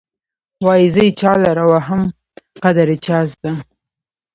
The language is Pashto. وايې زه یې چا لره وهم قدر يې چا زده.